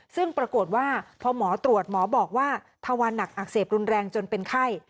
ซึ่งปรากฏว่าพอหมอตรวจหมอบอกว่าทวันหนักอักเสบรุนแรงจนเป็นไข้